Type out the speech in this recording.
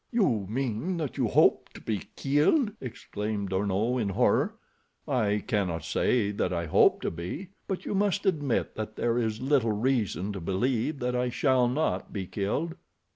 "You mean that you hope to be killed?" exclaimed D'Arnot, in horror. "I cannot say that I hope to be; but you must admit that there is little reason to believe that I shall not be killed."